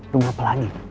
tunggu apa lagi